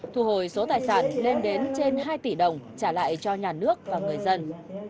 thu hồi số tài sản lên đến trên hai tỷ đồng trả lại cho nhà nước và người dân